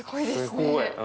すごい。